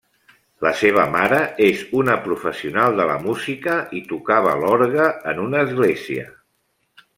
La seva mare és una professional de la música, i tocava l'orgue en una església.